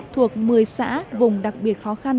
thuộc một mươi xã vùng đặc biệt khó khăn